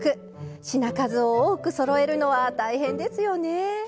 品数を多くそろえるのは大変ですよね。